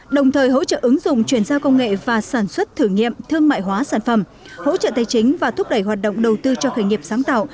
đồng thời hỗ trợ ứng dụng chuyển giao công nghệ và sản xuất thử nghiệm thương mại hóa sản phẩm hỗ trợ tài chính và thúc đẩy hoạt động đầu tư cho khởi nghiệp sáng tạo